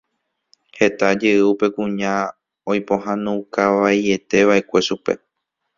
Heta jey upe kuña oipohãnoukavaieteva'ekue chupe.